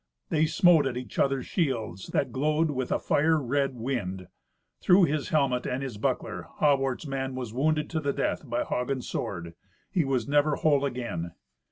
They smote at each other's shields, that glowed with a fire red wind. Through his helmet and his buckler, Hawart's man was wounded to the death by Hagen's sword. He was never whole again.